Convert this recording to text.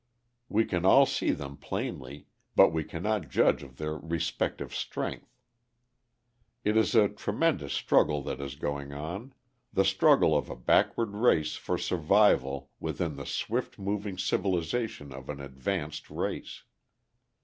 We can all see them plainly, but we cannot judge of their respective strength. It is a tremendous struggle that is going on the struggle of a backward race for survival within the swift moving civilisation of an advanced race.